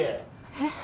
えっ？